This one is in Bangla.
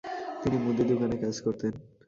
তিনি মুদি দোকানে কাজ করতেন।